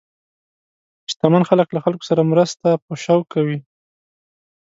شتمن خلک له خلکو سره مرسته په شوق کوي.